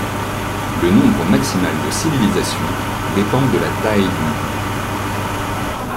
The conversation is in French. Le nombre maximal de civilisations dépend de la taille du monde.